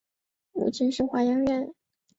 母亲是华阳院。